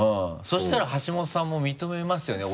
そしたら橋本さんも認めますよね？